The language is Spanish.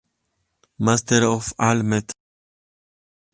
Master of all metal.